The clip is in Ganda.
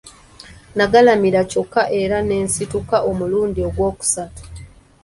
Nagalamira kyokka era ne nsituka omulundi ogw'okusatu.